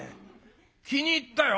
気に入ったよ。